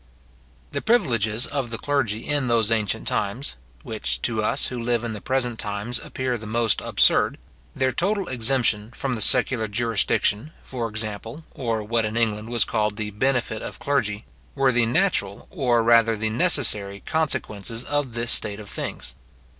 The privileges of the clergy in those ancient times (which to us, who live in the present times, appear the most absurd), their total exemption from the secular jurisdiction, for example, or what in England was called the benefit of clergy, were the natural, or rather the necessary, consequences of this state of things.